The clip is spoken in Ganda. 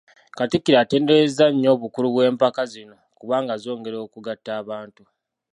Katikkiro atenderezza nnyo obukulu bw'empaka zino kubanga zongera okugatta abantu.